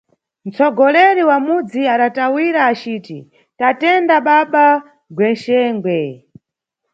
Nʼtsogoleri wa mudzi adatawira aciti, tatenda baba Gwexengwe.